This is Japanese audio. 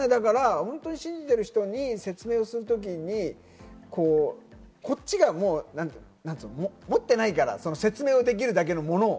信じている人に説明する時に、こっちが持っていないから説明できるだけのものを。